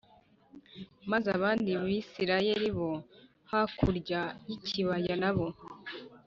Maze abandi Bisirayeli bo hakurya y ikibaya n abo